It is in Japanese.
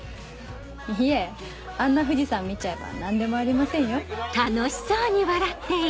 いえあんな藤さん見ちゃえば何でもありませんよ。